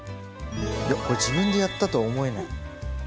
いやこれ自分でやったとは思えない。